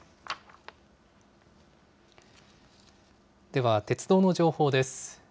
では、鉄道の情報です。